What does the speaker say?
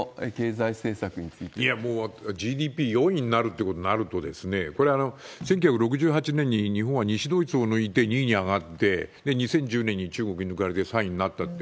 いや、もうＧＤＰ４位になるっていうことになると、これは１９６８年に日本は西ドイツを抜いて２位に上がって、２０１０年に中国に抜かれて３位になったと。